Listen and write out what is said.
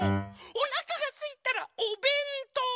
おなかがすいたら「おべんとう」！